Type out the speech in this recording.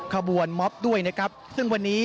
ขบวนม็อบด้วยนะครับซึ่งวันนี้